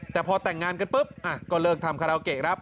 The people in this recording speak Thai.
แต่พอแต่งงานกันปุ๊บก็เลิกทำคาราโอเกะครับ